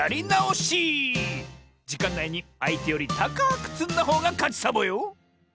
じかんないにあいてよりたかくつんだほうがかちサボよ！